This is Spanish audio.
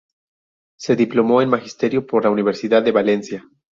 Se diplomó en Magisterio por la Universidad de Valencia.